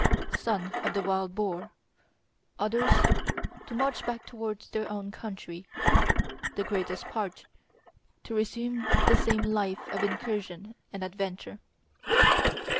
son of the wild boar; others to march back towards their own country; the greatest part to resume the same life of incursion and adventure.